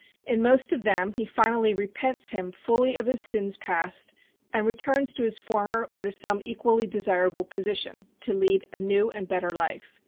In most of them he finally repents him fully of his sins past and returns to his former or to some equally desirable position, to lead a new and better life.